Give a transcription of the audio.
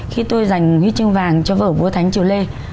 khi tôi dành huyết chương vàng cho vở vua thánh triều lê